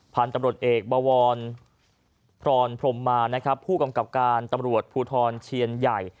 พันธุ์ตำรวจเอกบวรพรพรมมานะครับผู้กำกับการตำรวจภูทรเชียนใหญ่